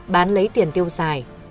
bán lấy tiền tiêu xài